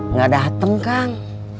nggak dateng kang